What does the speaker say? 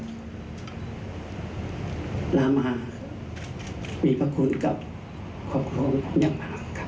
บีบรรคุณกับขอบครมอย่างมากครับ